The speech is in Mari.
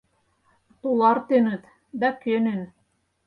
Тулартеныт, да кӧнен.